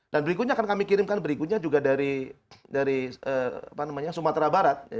dan berikutnya akan kami kirimkan berikutnya juga dari sumatera barat